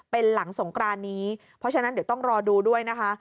เป็นหลังสงกรานนี้เพราะฉะนั้นเดี๋ยวต้องรอดูด้วยนะคะ